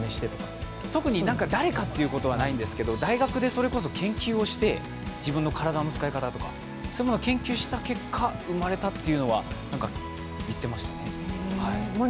特に誰かということはないんですけど、大学で自分の体の使い方そういうものを研究した結果というのは言ってましたね。